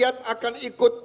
apa rakyat akan ikut